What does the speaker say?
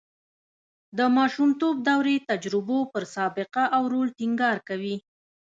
د ماشومتوب دورې تجربو پر سابقه او رول ټینګار کوي